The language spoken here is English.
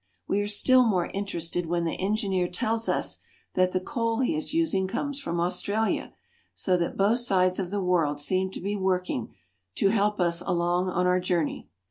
We are still more interested when the engineer tells us that the coal he is using comes from Australia, so that both sides of the world seem to be working to help us along on our journey.